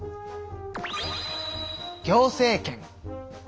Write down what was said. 行政権。